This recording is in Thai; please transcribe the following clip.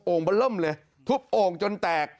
โอ่งบะเริ่มเลยทุบโอ่งจนแตก